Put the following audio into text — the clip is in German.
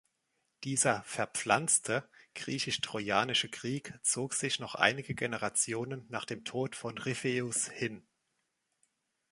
Dieser „verpflanzte“ griechisch-trojanische Krieg zog sich noch einige Generationen nach dem Tod von Ripheus hin.